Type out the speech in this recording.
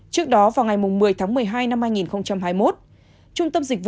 trước đó vào ngày một mươi tháng một mươi hai năm hai nghìn hai mươi một